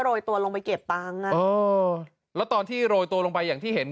โรยตัวลงไปเก็บตังค์อ่ะเออแล้วตอนที่โรยตัวลงไปอย่างที่เห็น